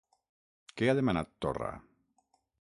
Què ha demanat Torra?